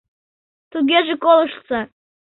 — Тугеже колыштса.